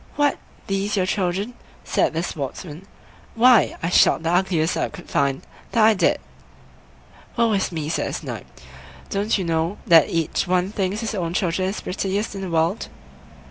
"What! these your children!" said the Sportsman; "why, I shot the ugliest I could find, that I did!" "Woe is me!" said the Snipe; "don't you know that each one thinks his own children the prettiest in the world?"